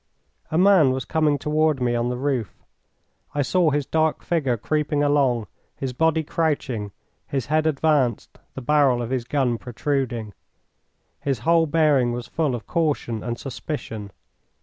A man was coming toward me on the roof. I saw his dark figure creeping along, his body crouching, his head advanced, the barrel of his gun protruding. His whole bearing was full of caution and suspicion.